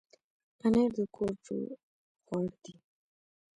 پنېر د کور جوړ خواړه دي.